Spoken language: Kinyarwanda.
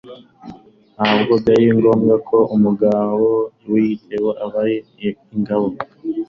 ntabwo byari ngombwa ko umugaba w igitero aba ari ingabo